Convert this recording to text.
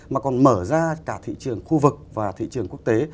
mà còn mở ra cả thị trường khu vực và thị trường quốc tế